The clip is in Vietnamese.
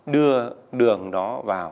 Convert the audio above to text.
đưa đường đó vào